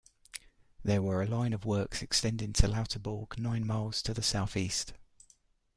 They were a line of works extending to Lauterbourg nine miles to the southeast.